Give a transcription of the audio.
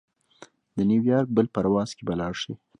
د نیویارک بل پرواز کې به لاړشې.